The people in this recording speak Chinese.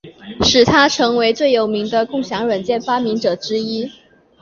这使他成为最有名的共享软件发明者之一。